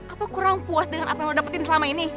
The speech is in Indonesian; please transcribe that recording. apa kurang puas dengan apa lo dapetin selama ini